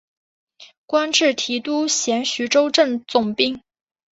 官至提督衔徐州镇总兵。